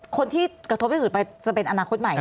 คนที่กระทบที่สุดไปจะเป็นอนาคตใหม่